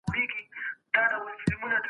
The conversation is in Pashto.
سياستوال بايد د نفوذ کولو نوي لاري پيدا کړي.